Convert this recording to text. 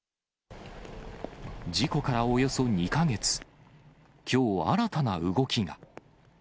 事故からおよそ２か月、きょう新たな動きが。